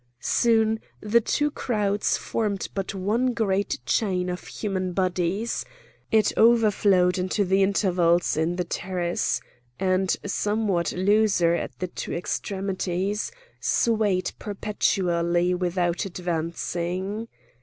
Soon the two crowds formed but one great chain of human bodies; it overflowed into the intervals in the terrace, and, somewhat looser at the two extremities, swayed perpetually without advancing.